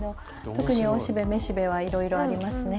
特に雄しべ雌しべはいろいろありますね。